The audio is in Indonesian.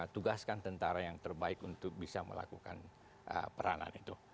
tugaskan tentara yang terbaik untuk bisa melakukan peranan itu